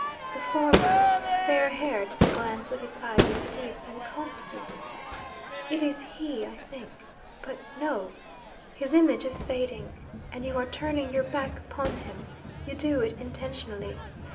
The former is fair haired; the glance of his eyes is deep and constant. It is he, I think But no! His image is fading, and you are turning your back upon him. You do it intentionally.